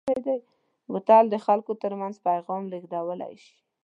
بوتل د خلکو ترمنځ پیغام لېږدولی شي.